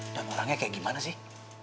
dan orangnya kayak gimana sih